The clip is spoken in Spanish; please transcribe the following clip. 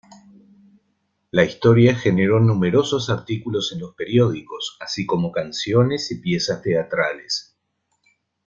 La historia generó numerosos artículos en los periódicos, así como canciones y piezas teatrales.